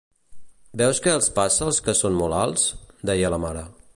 "Veus què els passa als que són molt alts?" deia la mare.